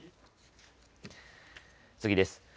次です。